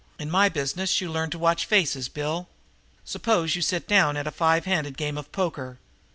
In my business you got to learn to watch faces, Bill. Suppose you sit in at a five handed game of poker.